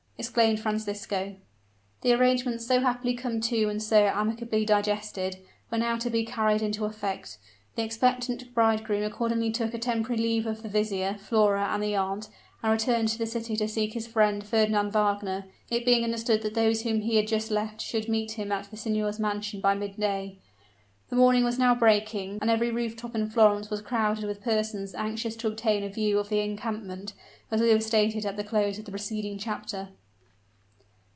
exclaimed Francisco. The arrangements so happily come to and so amicably digested, were now to be carried into effect. The expectant bridegroom accordingly took a temporary leave of the vizier, Flora and the aunt, and returned to the city to seek his friend Fernand Wagner, it being understood that those whom he had just left should meet him at that signor's mansion by mid day. The morning was now breaking: and every roof top in Florence was crowded with persons anxious to obtain a view of the encampment, as we have stated at the close of the preceding chapter.